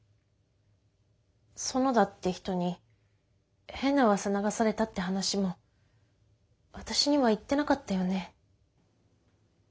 園田って人に変なうわさ流されたって話も私には言ってなかったよね？